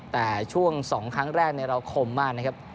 แต่ช่วงสองครั้งแรกเนี่ยเราคมมากนะครับ